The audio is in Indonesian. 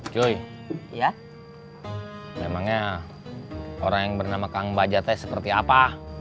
cuy ya emangnya orang yang bernama kang bajat teh seperti apa